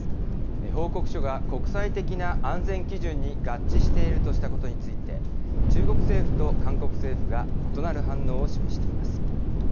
報告書が国際的な安全基準に合致しているとしたことについて、中国政府と韓国政府が異なる反応を示しています。